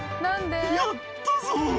やったぞ！